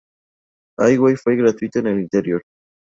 Hay Wifi gratuito en el interior.